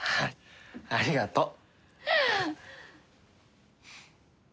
ありがとう。